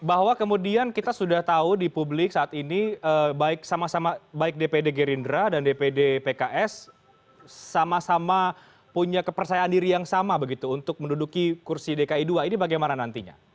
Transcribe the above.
bahwa kemudian kita sudah tahu di publik saat ini baik sama sama baik dpd gerindra dan dpd pks sama sama punya kepercayaan diri yang sama begitu untuk menduduki kursi dki dua ini bagaimana nantinya